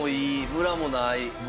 ムラない！